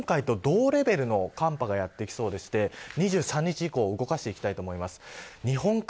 今回と同レベルの寒波がやってきそうで２３日以降動かしていきたいと思います。